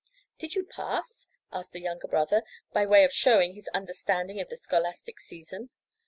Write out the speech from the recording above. "Did you pass?" asked the younger brother, by way of showing his understanding of the scholastic season.